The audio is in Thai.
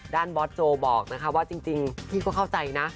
บอสโจบอกนะคะว่าจริงพี่ก็เข้าใจนะ